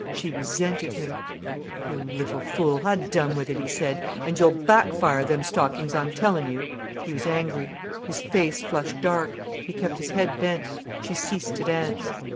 She resented him. "You little fool, ha' done with it," he said. "And you'll backfire them stockings, I'm telling you." He was angry. His face flushed dark, he kept his head bent. She ceased to dance.